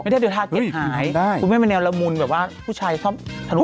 ไม่ได้ทางเก็บหายคุณแม่มันแนวละมุนแบบว่าผู้ชายชอบถนูกขนาดหนอดีไง